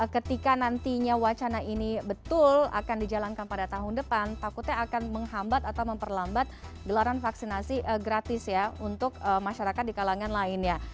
ketika nantinya wacana ini betul akan dijalankan pada tahun depan takutnya akan menghambat atau memperlambat gelaran vaksinasi gratis ya untuk masyarakat di kalangan lainnya